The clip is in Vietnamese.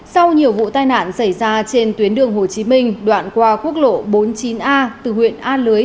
sau nhiều vụ tai nạn xảy ra trên tuyến đường hồ chí minh đoạn qua quốc lộ bốn mươi chín a từ huyện a lưới